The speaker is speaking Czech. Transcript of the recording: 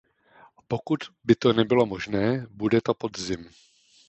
Pokud by to nebylo možné, bude to podzim.